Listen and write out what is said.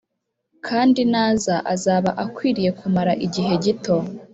, kandi naza azaba akwiriye kumara igihe gito.